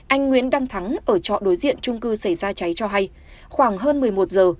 anh nguyễn đăng thắng ở trọ đối diện trung cư xảy ra cháy cho hay khoảng hơn một mươi một giờ